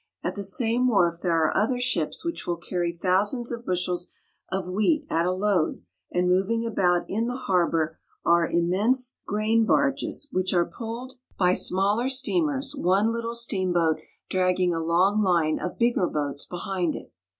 At the same wharf there are other ships which will carry thousands of bushels of wheat at a load ; and moving about in the harbor are immense grain barges, which are pulled DULUTH AND SUPERIOR. 173 by smaller, steamers, one little steamboat dragging a long line of bigger boats behind it.